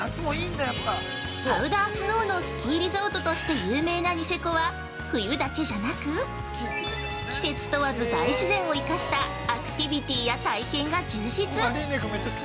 パウダースノーのスキーリゾートとして有名なニセコは、冬だけじゃなく、季節問わず大自然を生かしたアクティビティーや体験が充実！